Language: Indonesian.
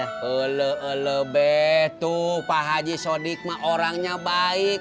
hele elebeh tuh pak haji sodik mah orangnya baik